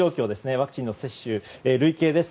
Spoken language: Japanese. ワクチンの接種累計です。